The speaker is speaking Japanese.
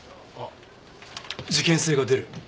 あっ事件性が出る。